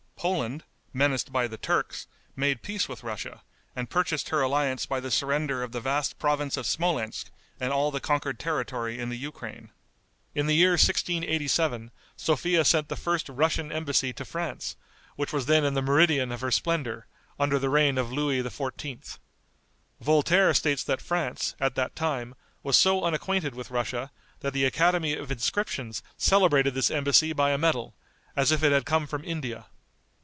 Poland, menaced by the Turks, made peace with Russia, and purchased her alliance by the surrender of the vast province of Smolensk and all the conquered territory in the Ukraine. In the year 1687, Sophia sent the first Russian embassy to France, which was then in the meridian of her splendor, under the reign of Louis XIV. Voltaire states that France, at that time, was so unacquainted with Russia, that the Academy of Inscriptions celebrated this embassy by a medal, as if it had come from India.